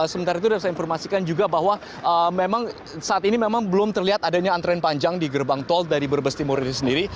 sementara itu sudah saya informasikan juga bahwa memang saat ini memang belum terlihat adanya antrean panjang di gerbang tol dari brebes timur itu sendiri